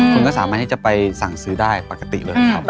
คุณก็สามารถที่จะไปสั่งซื้อได้ปกติเลยครับ